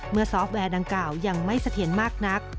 ซอฟต์แวร์ดังกล่าวยังไม่เสถียรมากนัก